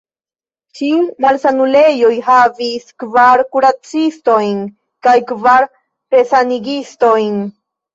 Ĉiu malsanulejo havis kvar kuracistojn kaj kvar resanigistojn.